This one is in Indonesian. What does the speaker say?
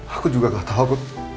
aku juga gak tahu